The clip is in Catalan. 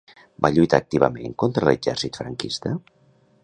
Va lluitar activament contra l'exèrcit franquista?